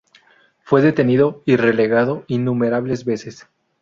Fue detenido y relegado innumerables veces.